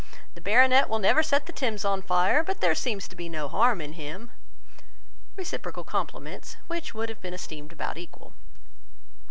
The Baronet will never set the Thames on fire, but there seems to be no harm in him."—reciprocal compliments, which would have been esteemed about equal.